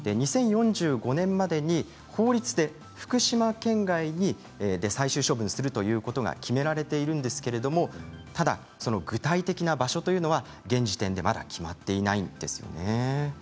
２０４５年までに法律で福島県外で最終処分するということが決められているんですけれどもただその具体的な場所というのは現時点でまだ決まっていないんですよね。